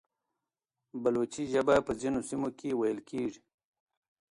بلوچي ژبه په ځینو سیمو کې ویل کېږي.